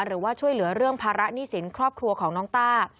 หรือว่าช่วยเหลือเรื่องภาระหนี้สินครอบครัวของน้องต้า